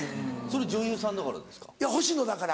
それ女優さんだからですか？